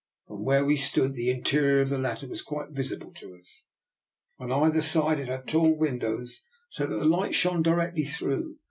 From where we stood the interior of the latter was quite visible to us. On either side it had tall win dows, so that the light shone directly through.